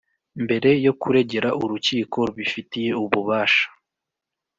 mbere yo kuregera urukiko rubifitiye ububasha